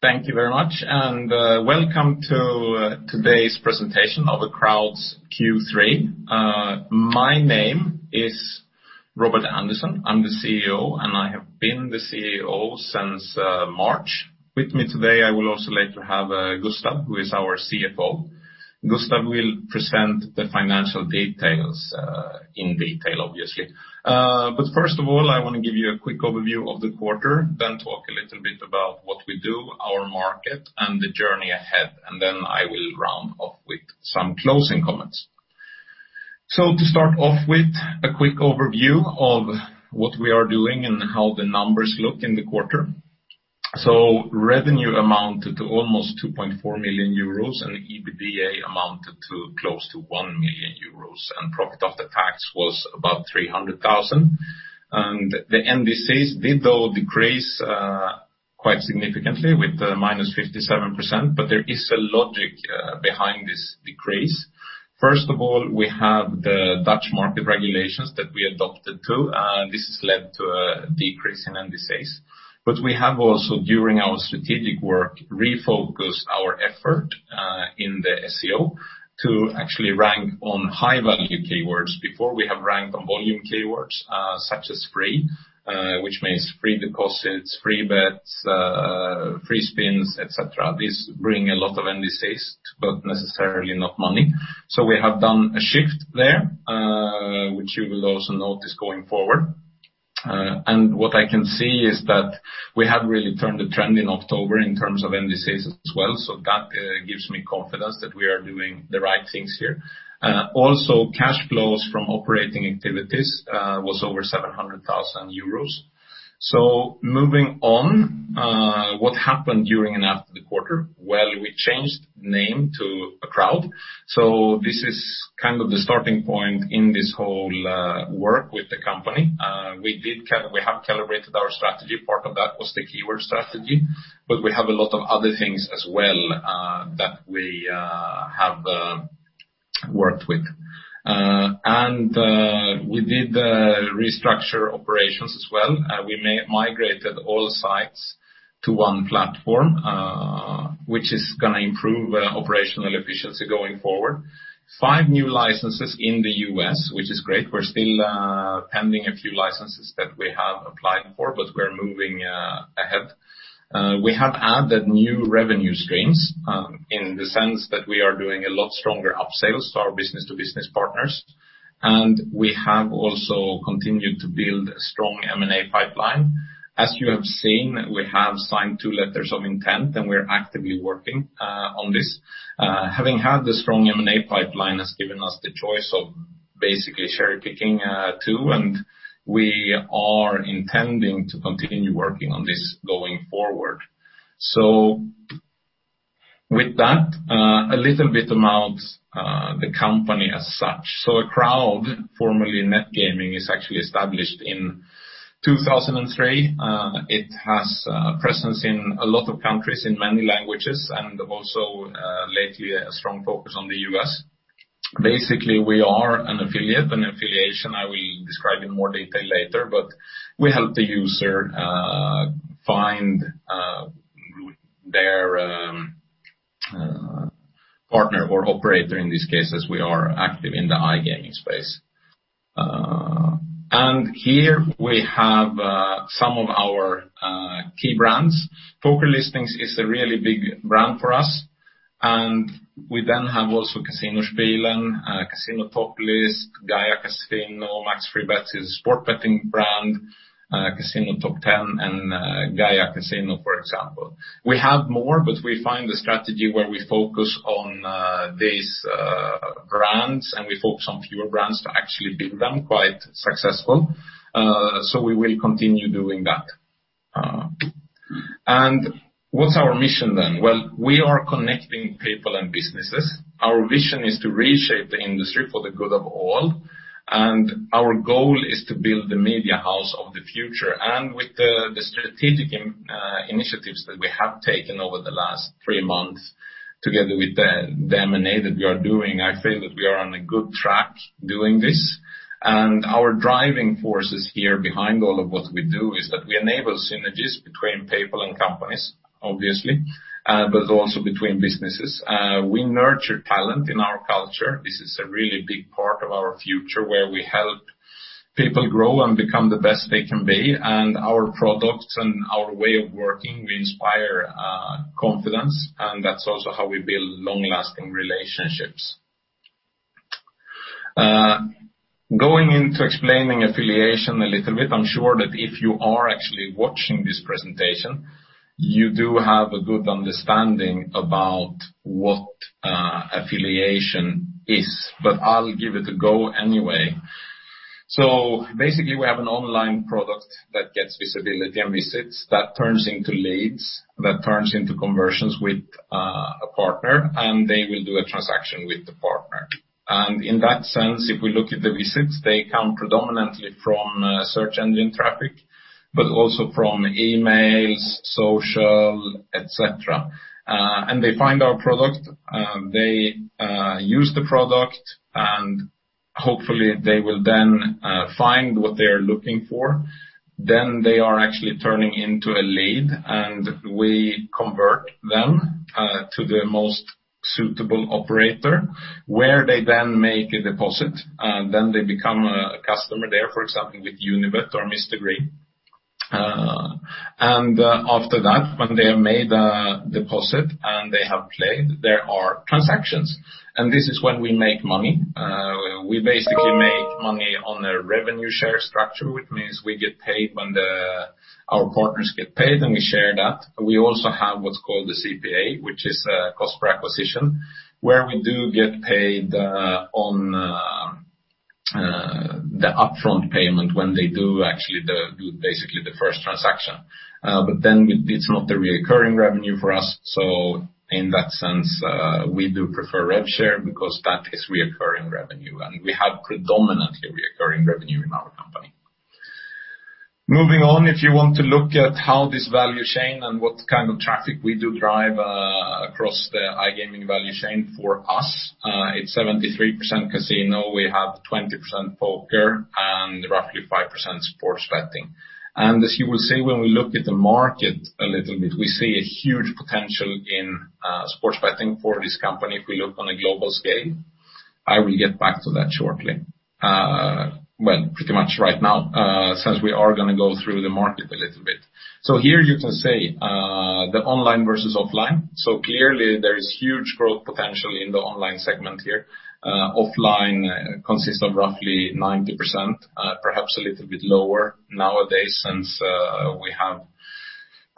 Thank you very much, and welcome to today's presentation of Acroud Q3. My name is Robert Andersson. I'm the CEO, and I have been the CEO since March. With me today, I will also later have Gustav, who is our CFO. Gustav will present the financial details in detail, obviously, but first of all, I want to give you a quick overview of the quarter, then talk a little bit about what we do, our market, and the journey ahead, and then I will round off with some closing comments, so to start off with, a quick overview of what we are doing and how the numbers look in the quarter, so revenue amounted to almost €2.4 million, and EBITDA amounted to close to €1 million, and profit after tax was about €300,000, and the NDCs did, though, decrease quite significantly with a minus 57%. But there is a logic behind this decrease. First of all, we have the Dutch market regulations that we adapted to, and this has led to a decrease in NDCs. But we have also, during our strategic work, refocused our effort in the SEO to actually rank on high-value keywords before we have ranked on volume keywords such as free, which means free deposits, free bets, free spins, etc. These bring a lot of NDCs but not necessarily money. So we have done a shift there, which you will also notice going forward. And what I can see is that we have really turned the trend in October in terms of NDCs as well. So that gives me confidence that we are doing the right things here. Also, cash flows from operating activities was over 700,000 euros. So moving on, what happened during and after the quarter? We changed the name to Acroud. This is kind of the starting point in this whole work with the company. We have calibrated our strategy. Part of that was the keyword strategy. We have a lot of other things as well that we have worked with. We did restructure operations as well. We migrated all sites to one platform, which is going to improve operational efficiency going forward. Five new licenses in the U.S., which is great. We're still pending a few licenses that we have applied for, but we're moving ahead. We have added new revenue streams in the sense that we are doing a lot stronger upsales to our business-to-business partners. We have also continued to build a strong M&A pipeline. As you have seen, we have signed two letters of intent, and we're actively working on this. Having had the strong M&A pipeline has given us the choice of basically cherry-picking two, and we are intending to continue working on this going forward. So with that, a little bit about the company as such. So Acroud, formerly NetGaming, is actually established in 2003. It has a presence in a lot of countries in many languages and also lately a strong focus on the U.S.. Basically, we are an affiliate. An affiliation I will describe in more detail later. But we help the user find their partner or operator, in this case, as we are active in the iGaming space. And here we have some of our key brands. PokerListings is a really big brand for us. And we then have also CasinoSpielen, CasinoToplists, CasinoGuide, MaxFreeBets is a sports betting brand, CasinoTop10, and CasinoGuide, for example. We have more, but we find a strategy where we focus on these brands, and we focus on fewer brands to actually build them. Quite successful. So we will continue doing that. And what's our mission then? Well, we are connecting people and businesses. Our vision is to reshape the industry for the good of all. And our goal is to build the media house of the future. And with the strategic initiatives that we have taken over the last three months together with the M&A that we are doing, I feel that we are on a good track doing this. And our driving forces here behind all of what we do is that we enable synergies between people and companies, obviously, but also between businesses. We nurture talent in our culture. This is a really big part of our future where we help people grow and become the best they can be. And our products and our way of working, we inspire confidence. And that's also how we build long-lasting relationships. Going into explaining affiliation a little bit, I'm sure that if you are actually watching this presentation, you do have a good understanding about what affiliation is. But I'll give it a go anyway. So basically, we have an online product that gets visibility and visits that turns into leads, that turns into conversions with a partner, and they will do a transaction with the partner. And in that sense, if we look at the visits, they come predominantly from search engine traffic, but also from emails, social, etc. And they find our product. They use the product, and hopefully, they will then find what they are looking for. Then they are actually turning into a lead, and we convert them to the most suitable operator where they then make a deposit. Then they become a customer there, for example, with Unibet or Mr Green. And after that, when they have made a deposit and they have played, there are transactions. And this is when we make money. We basically make money on a revenue share structure, which means we get paid when our partners get paid, and we share that. We also have what's called the CPA, which is cost per acquisition, where we do get paid on the upfront payment when they do actually do basically the first transaction. But then it's not the recurring revenue for us. So in that sense, we do prefer rev-share because that is recurring revenue. And we have predominantly recurring revenue in our company. Moving on, if you want to look at how this value chain and what kind of traffic we do drive across the iGaming value chain for us, it's 73% casino. We have 20% poker and roughly 5% sports betting. As you will see, when we look at the market a little bit, we see a huge potential in sports betting for this company if we look on a global scale. I will get back to that shortly. Pretty much right now, since we are going to go through the market a little bit. Here you can see the online versus offline. Clearly, there is huge growth potential in the online segment here. Offline consists of roughly 90%, perhaps a little bit lower nowadays since we have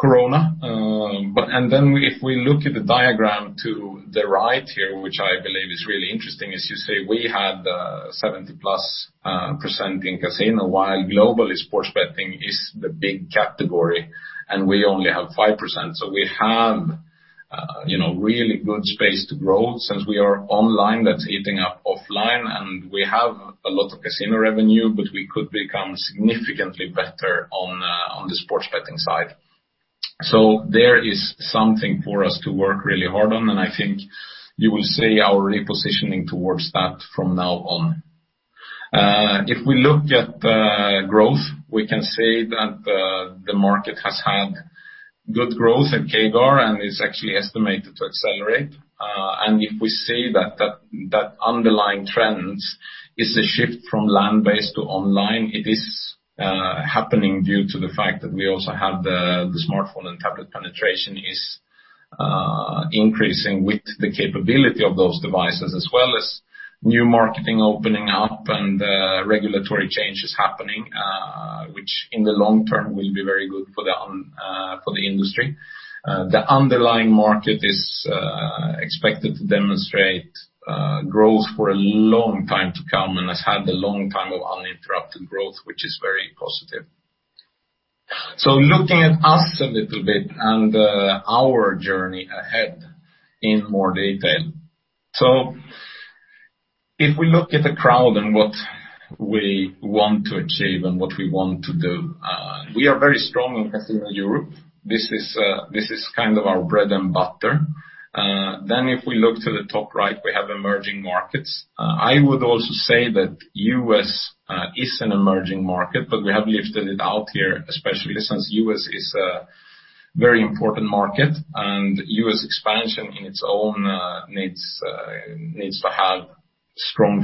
corona. And then, if we look at the diagram to the right here, which I believe is really interesting, as you see, we had 70-plus% in casino, while globally sports betting is the big category, and we only have 5%. So we have really good space to grow since we are online, that's eating up offline. And we have a lot of casino revenue, but we could become significantly better on the sports betting side. So there is something for us to work really hard on. And I think you will see our repositioning towards that from now on. If we look at growth, we can see that the market has had good growth at CAGR, and it's actually estimated to accelerate. And if we see that underlying trend is a shift from land-based to online, it is happening due to the fact that we also have the smartphone and tablet penetration increasing with the capability of those devices, as well as new marketing opening up and regulatory changes happening, which in the long term will be very good for the industry. The underlying market is expected to demonstrate growth for a long time to come and has had a long time of uninterrupted growth, which is very positive. So looking at us a little bit and our journey ahead in more detail. So if we look at Acroud and what we want to achieve and what we want to do, we are very strong in Casino Europe. This is kind of our bread and butter. Then if we look to the top right, we have emerging markets. I would also say that the U.S. is an emerging market, but we have lifted it out here, especially since the U.S. is a very important market, and U.S. expansion in its own needs to have strong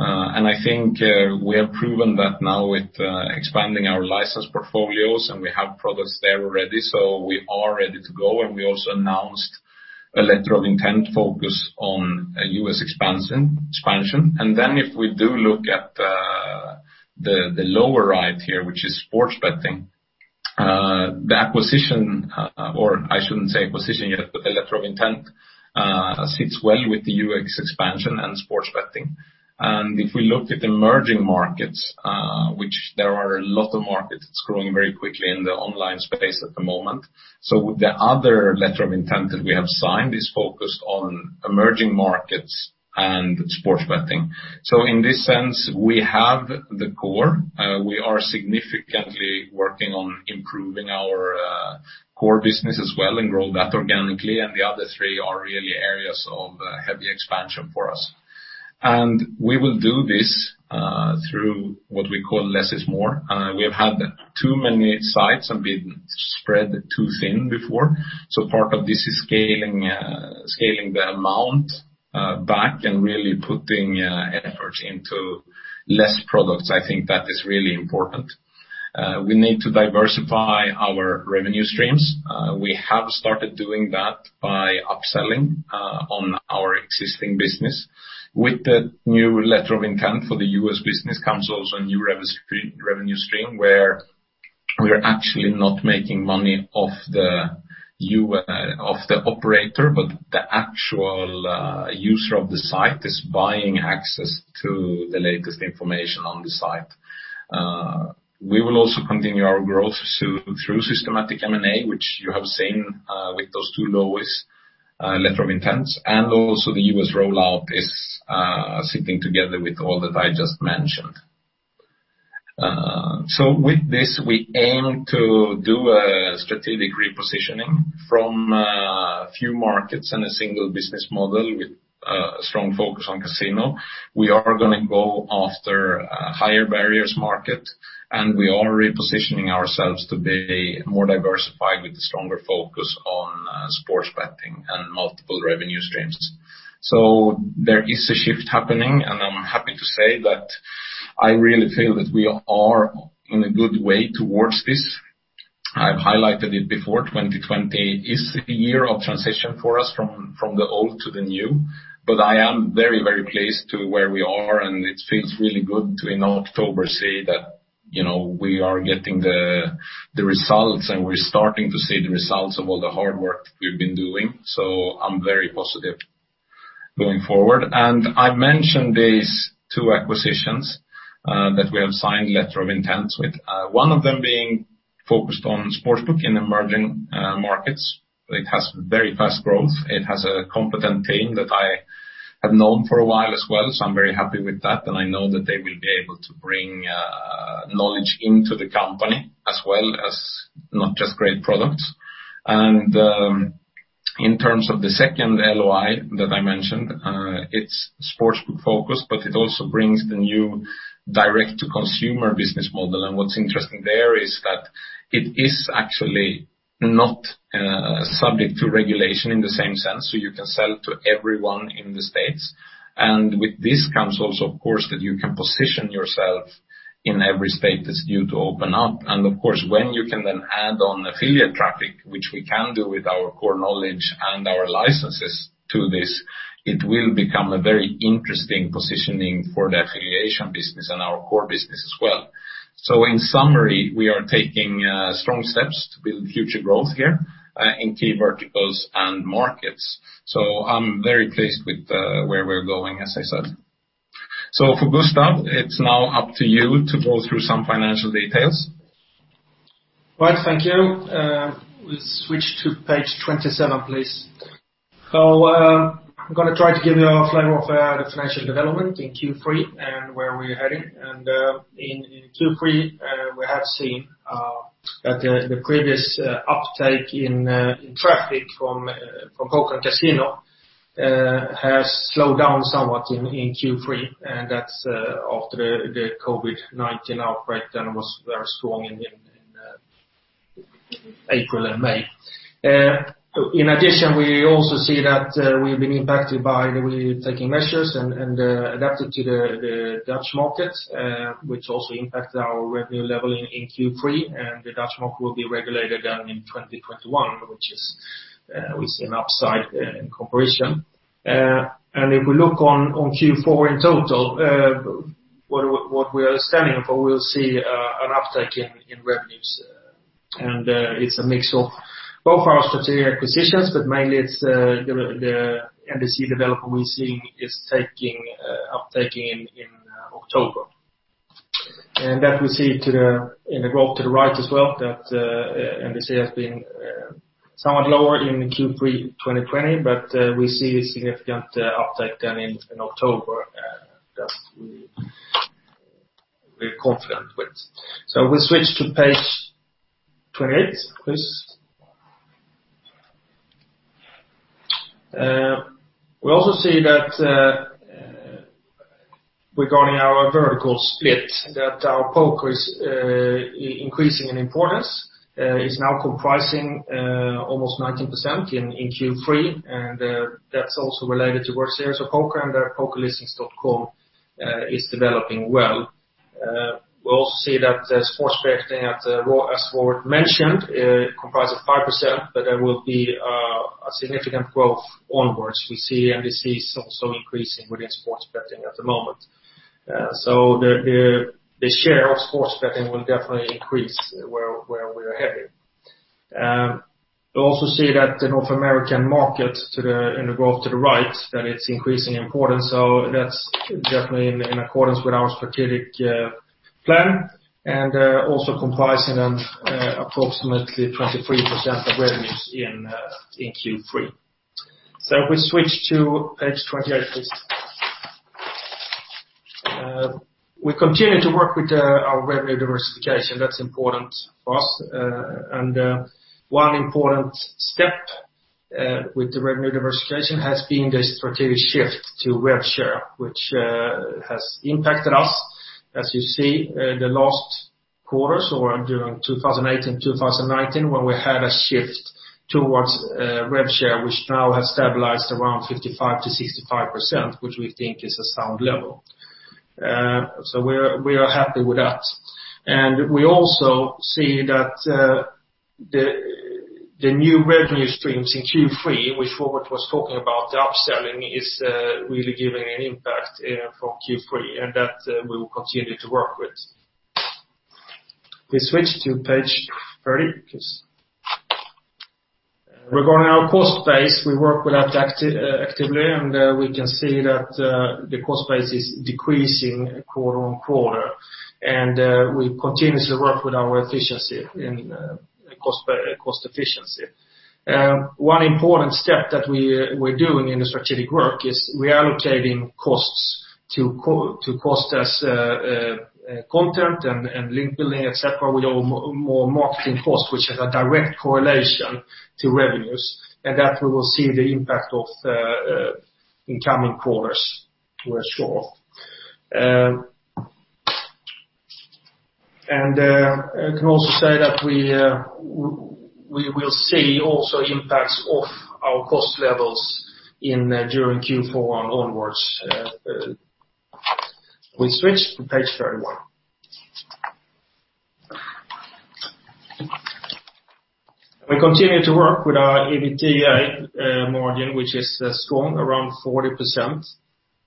focus. And I think we have proven that now with expanding our license portfolios, and we have products there already, so we are ready to go, and we also announced a letter of intent focus on U.S. expansion, and then if we do look at the lower right here, which is sports betting, the acquisition, or I shouldn't say acquisition yet, but the letter of intent sits well with the U.S. expansion and sports betting, and if we look at emerging markets, which there are a lot of markets that's growing very quickly in the online space at the moment. So the other letter of intent that we have signed is focused on emerging markets and sports betting. So in this sense, we have the core. We are significantly working on improving our core business as well and grow that organically. And the other three are really areas of heavy expansion for us. And we will do this through what we call less is more. We have had too many sites and been spread too thin before. So part of this is scaling the amount back and really putting efforts into less products. I think that is really important. We need to diversify our revenue streams. We have started doing that by upselling on our existing business. With the new letter of intent for the U.S. business comes also a new revenue stream where we are actually not making money off the operator, but the actual user of the site is buying access to the latest information on the site. We will also continue our growth through systematic M&A, which you have seen with those two latest letters of intent. The U.S. rollout is fitting together with all that I just mentioned. With this, we aim to do a strategic repositioning from a few markets and a single business model with a strong focus on casino. We are going to go after a higher-barriers market. We are repositioning ourselves to be more diversified with a stronger focus on sports betting and multiple revenue streams. There is a shift happening. I'm happy to say that I really feel that we are in a good way towards this. I've highlighted it before. 2020 is a year of transition for us from the old to the new. But I am very, very pleased to where we are. It feels really good to, in October, see that we are getting the results and we're starting to see the results of all the hard work that we've been doing. I'm very positive going forward. I mentioned these two acquisitions that we have signed letter of intent with, one of them being focused on sportsbook in emerging markets. It has very fast growth. It has a competent team that I have known for a while as well. I'm very happy with that. And I know that they will be able to bring knowledge into the company as well as not just great products. And in terms of the second LOI that I mentioned, it's sportsbook focus, but it also brings the new direct-to-consumer business model. And what's interesting there is that it is actually not subject to regulation in the same sense. So you can sell to everyone in the states. And with this comes also, of course, that you can position yourself in every state that's due to open up. And of course, when you can then add on affiliate traffic, which we can do with our core knowledge and our licenses to this, it will become a very interesting positioning for the affiliation business and our core business as well. So in summary, we are taking strong steps to build future growth here in key verticals and markets. I'm very pleased with where we're going, as I said. For Gustav, it's now up to you to go through some financial details. All right. Thank you. We'll switch to page 27, please. I'm going to try to give you a flavor of the financial development in Q3 and where we're heading. In Q3, we have seen that the previous uptake in traffic from Poker & Casino has slowed down somewhat in Q3. That's after the COVID-19 outbreak that was very strong in April and May. In addition, we also see that we've been impacted by the way we're taking measures and adapting to the Dutch market, which also impacted our revenue level in Q3. The Dutch market will be regulated then in 2021, which is. We see an upside in comparison. If we look on Q4 in total, what we are standing for, we'll see an uptake in revenues. It's a mix of both our strategic acquisitions, but mainly it's the NDC development we're seeing is taking uptake in October. That we see in the growth to the right as well, that NDC has been somewhat lower in Q3 2020, but we see a significant uptake then in October that we're confident with. We'll switch to page 28, please. We also see that regarding our vertical split, that our poker is increasing in importance. It's now comprising almost 19% in Q3. That's also related to our series of poker. PokerListings.com is developing well. We also see that sports betting, as Robert mentioned, comprises 5%, but there will be a significant growth onwards. We see NDCs also increasing within sports betting at the moment. So the share of sports betting will definitely increase where we are heading. We also see that the North American market in the growth to the right, that it's increasing in importance. So that's definitely in accordance with our strategic plan and also comprising approximately 23% of revenues in Q3. So if we switch to page 28, please. We continue to work with our revenue diversification. That's important for us. And one important step with the revenue diversification has been the strategic shift to rev share, which has impacted us, as you see, the last quarters or during 2018, 2019, when we had a shift towards rev share, which now has stabilized around 55%-65%, which we think is a sound level. So we are happy with that. We also see that the new revenue streams in Q3, which Robert was talking about, the upselling is really giving an impact for Q3 and that we will continue to work with. We switch to page 30, please. Regarding our cost base, we work with that actively. We can see that the cost base is decreasing quarter on quarter. We continuously work with our cost efficiency. One important step that we're doing in the strategic work is we are allocating costs to cost as content and link building, etc. We have more marketing costs, which have a direct correlation to revenues. That we will see the impact of in coming quarters, we're sure of. I can also say that we will see also impacts of our cost levels during Q4 and onwards. We switch to page 31. We continue to work with our EBITDA margin, which is strong, around 40%.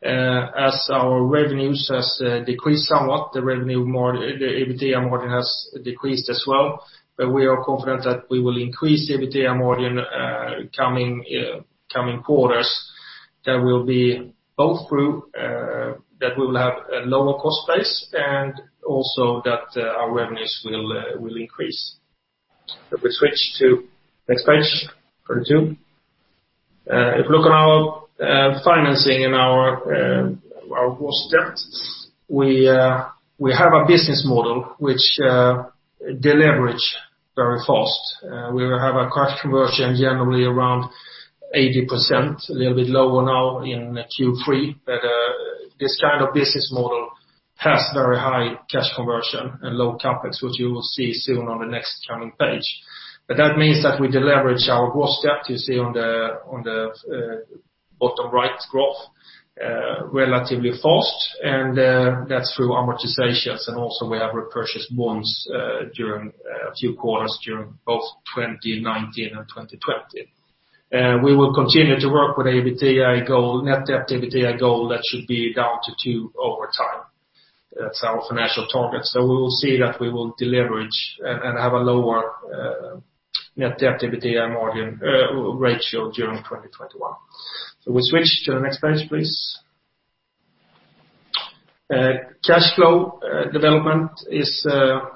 As our revenues have decreased somewhat, the EBITDA margin has decreased as well, but we are confident that we will increase the EBITDA margin coming quarters. That will be both through that we will have a lower cost base and also that our revenues will increase. If we switch to the next page, 32. If we look on our financing and our debt, we have a business model which deleveraged very fast. We have a cash conversion generally around 80%, a little bit lower now in Q3, but this kind of business model has very high cash conversion and low CapEx, which you will see soon on the next coming page, but that means that we deleverage our debt, you see on the bottom right graph, relatively fast, and that's through amortizations. Also we have repurchased bonds during a few quarters during both 2019 and 2020. We will continue to work with the EBITDA goal, net debt EBITDA goal that should be down to two over time. That's our financial target. We will see that we will deleverage and have a lower net debt EBITDA margin ratio during 2021. We switch to the next page, please. Cash flow development is,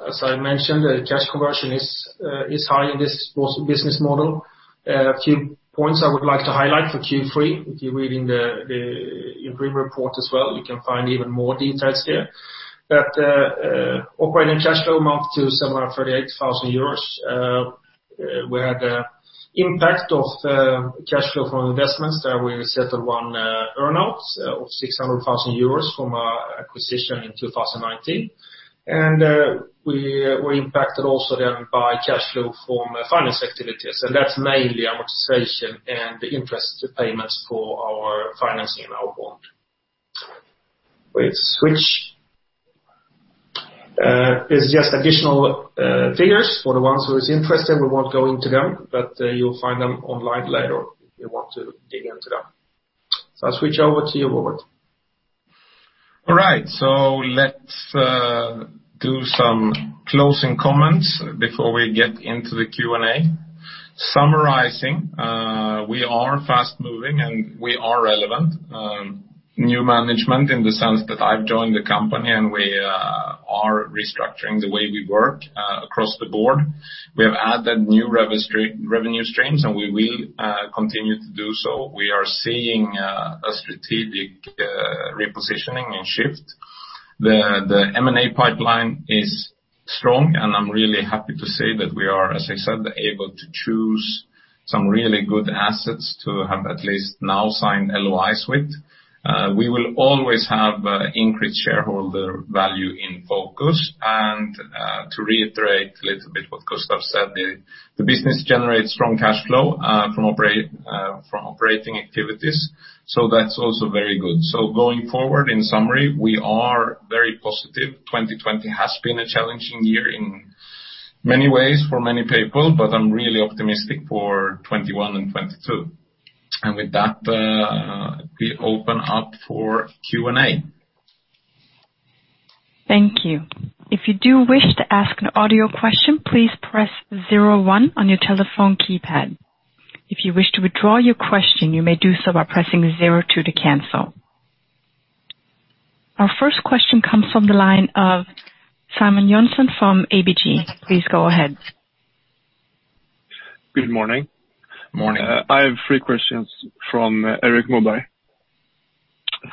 as I mentioned, the cash conversion is high in this business model. A few points I would like to highlight for Q3. If you read in the interim report as well, you can find even more details there. But operating cash flow amount to 738,000 euros. We had an impact of cash flow from investments that we settled one earnout of 600,000 euros from our acquisition in 2019. And we were impacted also then by cash flow from finance activities. That's mainly amortization and interest payments for our financing and our bond. We switch. There's just additional figures for the ones who are interested. We won't go into them, but you'll find them online later if you want to dig into them. I'll switch over to you, Robert. All right. Let's do some closing comments before we get into the Q&A. Summarizing, we are fast moving and we are relevant. New management in the sense that I've joined the company and we are restructuring the way we work across the board. We have added new revenue streams and we will continue to do so. We are seeing a strategic repositioning and shift. The M&A pipeline is strong. I'm really happy to say that we are, as I said, able to choose some really good assets to have at least now signed LOIs with. We will always have increased shareholder value in focus, and to reiterate a little bit what Gustav said, the business generates strong cash flow from operating activities, so that's also very good, so going forward, in summary, we are very positive. 2020 has been a challenging year in many ways for many people, but I'm really optimistic for 2021 and 2022, and with that, we open up for Q&A. Thank you. If you do wish to ask an audio question, please press 01 on your telephone keypad. If you wish to withdraw your question, you may do so by pressing 02 to cancel. Our first question comes from the line of Simon Jönsson from ABG. Please go ahead. Good morning. Morning. I have three questions from Erik Moberg.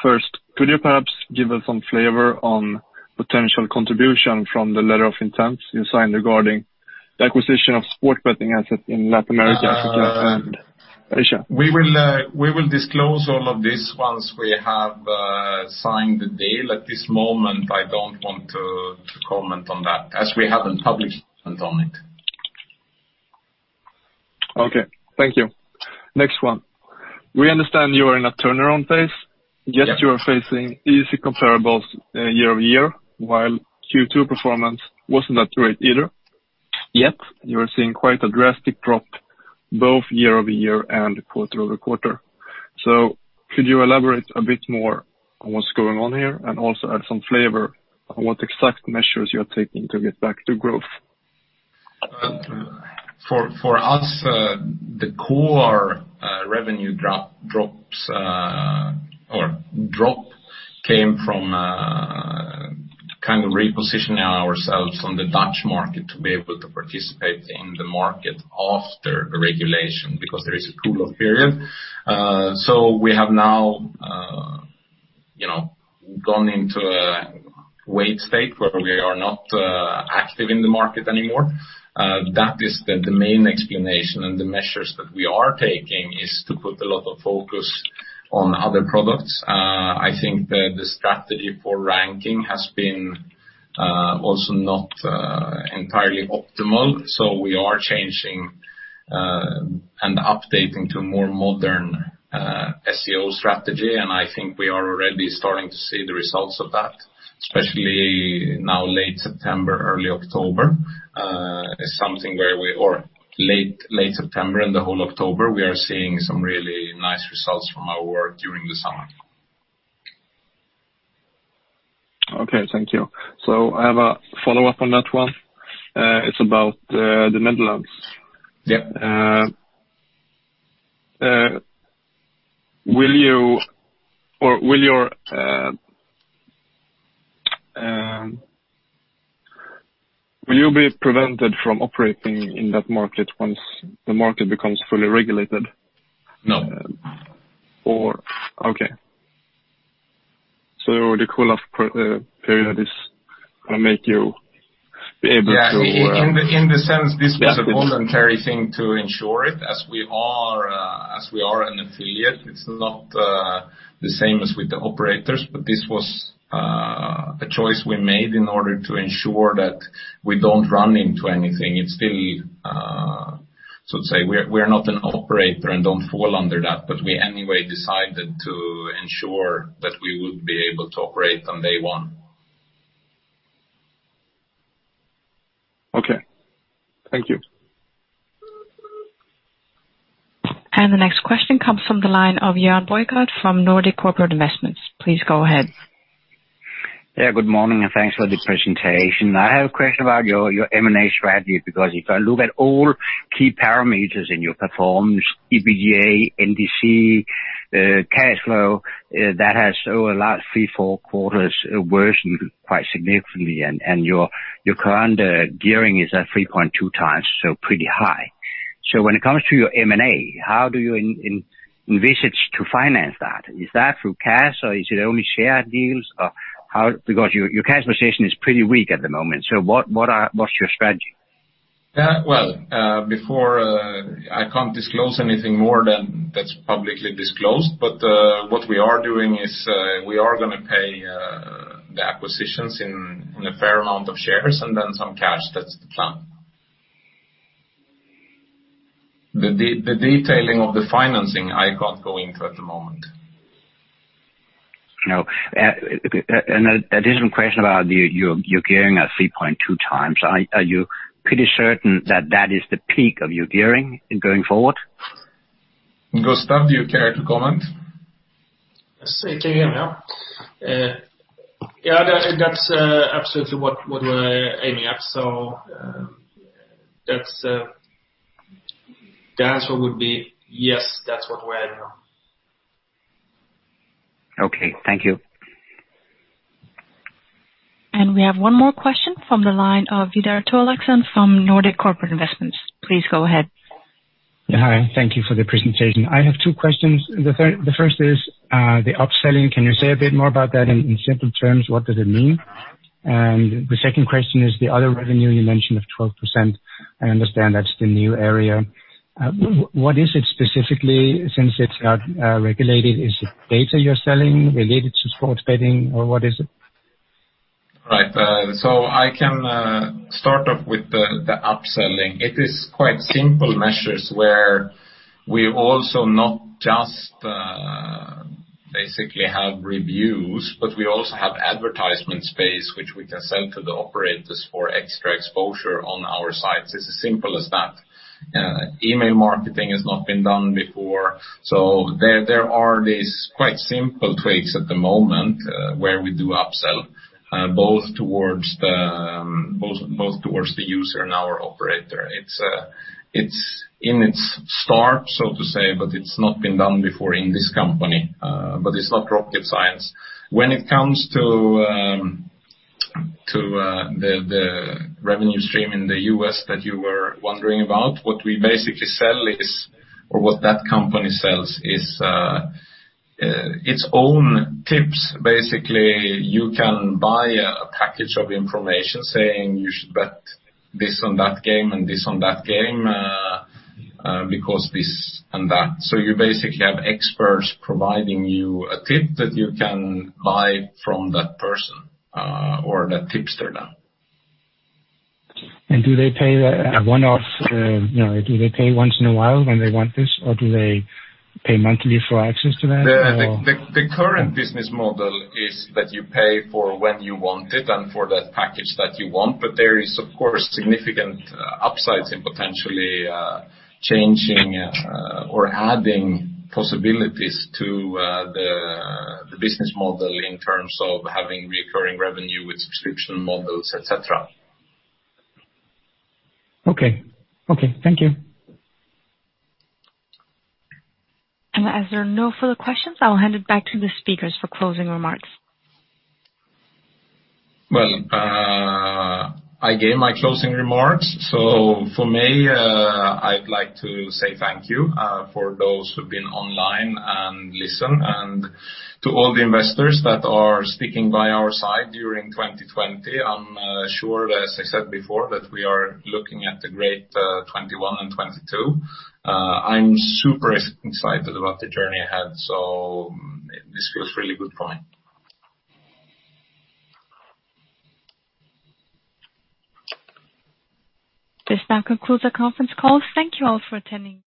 First, could you perhaps give us some flavor on potential contribution from the letter of intent you signed regarding the acquisition of sports betting assets in Latin America, Africa, and Asia? We will disclose all of this once we have signed the deal. At this moment, I don't want to comment on that as we haven't published on it. Okay. Thank you. Next one. We understand you are in a turnaround phase. Yes. Yes, you are facing easy comparables year over year, while Q2 performance wasn't that great either. Yep. You are seeing quite a drastic drop both year over year and quarter over quarter. So could you elaborate a bit more on what's going on here and also add some flavor on what exact measures you are taking to get back to growth? For us, the core revenue drop came from kind of repositioning ourselves on the Dutch market to be able to participate in the market after the regulation because there is a cool-off period. So we have now gone into a wait state where we are not active in the market anymore. That is the main explanation. And the measures that we are taking is to put a lot of focus on other products. I think that the strategy for ranking has been also not entirely optimal. So we are changing and updating to a more modern SEO strategy. And I think we are already starting to see the results of that, especially now late September, early October. It's something where we or late September and the whole October, we are seeing some really nice results from our work during the summer. Okay. Thank you. So I have a follow-up on that one. It's about the Netherlands. Yep. Will you be prevented from operating in that market once the market becomes fully regulated? No. Or okay. So the cool-off period is going to make you be able to. Yes. In the sense, this was a voluntary thing to ensure it as we are an affiliate. It's not the same as with the operators, but this was a choice we made in order to ensure that we don't run into anything. It's still, so to say, we are not an operator and don't fall under that, but we anyway decided to ensure that we would be able to operate on day one. Okay. Thank you. The next question comes from the line of Jan Bodegaard from Nordic Corporate Investments. Please go ahead. Yeah. Good morning and thanks for the presentation. I have a question about your M&A strategy because if I look at all key parameters in your performance, EBITDA, NDC, cash flow, that has over the last three, four quarters worsened quite significantly. And your current gearing is at 3.2 times, so pretty high. So when it comes to your M&A, how do you envisage to finance that? Is that through cash or is it only share deals? Because your cash position is pretty weak at the moment. So what's your strategy? Before I can't disclose anything more than that's publicly disclosed, but what we are doing is we are going to pay the acquisitions in a fair amount of shares and then some cash. That's the plan. The detailing of the financing, I can't go into at the moment. No. And a different question about your gearing at 3.2 times. Are you pretty certain that that is the peak of your gearing going forward? Gustav, do you care to comment? Yes. I can hear you now. Yeah. That's absolutely what we're aiming at. So the answer would be yes, that's what we're aiming on. Okay. Thank you. And we have one more question from the line of Vidar Thorlaksson from Nordic Corporate Investments. Please go ahead. Hi. Thank you for the presentation. I have two questions. The first is the upselling. Can you say a bit more about that in simple terms? What does it mean? And the second question is the other revenue you mentioned of 12%. I understand that's the new area. What is it specifically since it's not regulated? Is it data you're selling related to sports betting or what is it? Right. So I can start off with the upselling. It is quite simple measures where we also not just basically have reviews, but we also have advertisement space, which we can sell to the operators for extra exposure on our sites. It's as simple as that. Email marketing has not been done before. So there are these quite simple tweaks at the moment where we do upsell both towards the user and our operator. It's in its start, so to say, but it's not been done before in this company. But it's not rocket science. When it comes to the revenue stream in the US that you were wondering about, what we basically sell is or what that company sells is its own tips. Basically, you can buy a package of information saying you should bet this on that game and this on that game because this and that. You basically have experts providing you a tip that you can buy from that person or that tipster then. And do they pay a one-off? Do they pay once in a while when they want this, or do they pay monthly for access to that? The current business model is that you pay for when you want it and for that package that you want. But there is, of course, significant upsides in potentially changing or adding possibilities to the business model in terms of having recurring revenue with subscription models, etc. Okay. Okay. Thank you. And as there are no further questions, I'll hand it back to the speakers for closing remarks. I gave my closing remarks. For me, I'd like to say thank you for those who've been online and listened and to all the investors that are sticking by our side during 2020. I'm sure, as I said before, that we are looking at the great 2021 and 2022. I'm super excited about the journey ahead. This feels really good for me. This now concludes our conference call. Thank you all for attending.